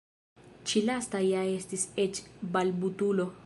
Ĉi lasta ja estis eĉ balbutulo!